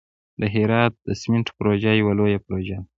د هرات د سمنټو پروژه یوه لویه پروژه ده.